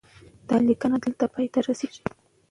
دا لیکنه دلته پای ته رسیږي.